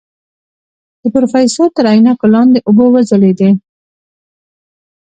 د پروفيسر تر عينکو لاندې اوبه وځلېدې.